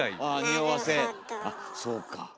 あっそうか。